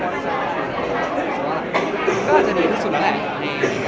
ก็เราก็ต้องมีคียกงวลนาน